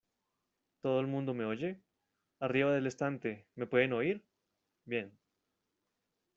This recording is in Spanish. ¿ Todo el mundo me oye? ¿ arriba del estante, me pueden oír ? bien.